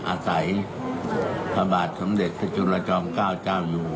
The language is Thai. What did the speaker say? อาศัยประบาดสำเร็จจุลจอมเก้าเจ้าอยู่